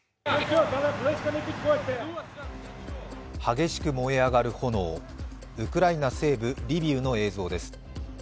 激しく燃え上がる炎、ウクライナ西部リビウの映像です。